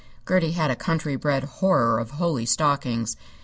Gertie had a country bred horror of holey stockings.